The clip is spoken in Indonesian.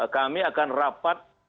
kami akan rapat